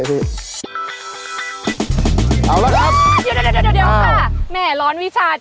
อย่าเดี๋ยวค่ะแม่ร้อนวิชา